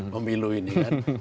pemilu ini kan